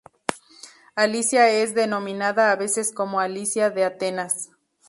Alicia es denominada a veces como Alicia de Atenas.